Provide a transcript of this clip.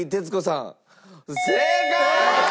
正解！